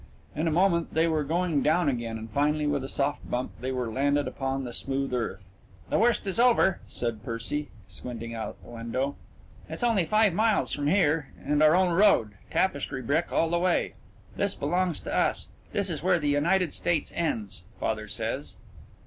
In a moment they were going down again, and finally with a soft bump they were landed upon the smooth earth. "The worst is over," said Percy, squinting out the window. "It's only five miles from here, and our own road tapestry brick all the way. This belongs to us. This is where the United States ends, father says."